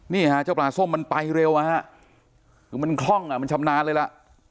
นี่ฮะเจ้าปลาส้มมันไปเร็วอ่ะฮะคือมันคล่องอ่ะมันชำนาญเลยล่ะ